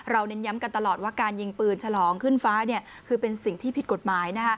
เน้นย้ำกันตลอดว่าการยิงปืนฉลองขึ้นฟ้าคือเป็นสิ่งที่ผิดกฎหมาย